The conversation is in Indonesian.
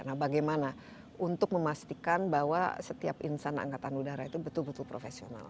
nah bagaimana untuk memastikan bahwa setiap insan angkatan udara itu betul betul profesional